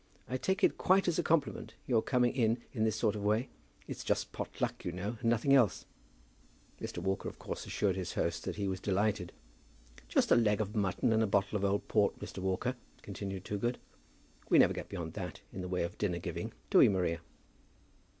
I take it quite as a compliment, your coming in in this sort of way. It's just pot luck, you know, and nothing else." Mr. Walker of course assured his host that he was delighted. "Just a leg of mutton and a bottle of old port, Mr. Walker," continued Toogood. "We never get beyond that in the way of dinner giving; do we, Maria?"